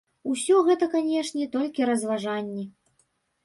Усё гэта, канешне, толькі разважанні.